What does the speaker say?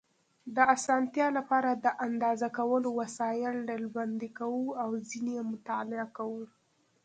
د اسانتیا لپاره د اندازه کولو وسایل ډلبندي کوو او ځینې یې مطالعه کوو.